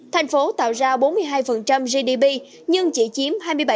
thành phố tạo ra bốn mươi hai gdp nhưng chỉ chiếm hai mươi bảy